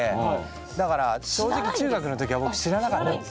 だから正直中学の時は僕知らなかったです。